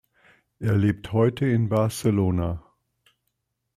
Er lebt heute in Barcelona.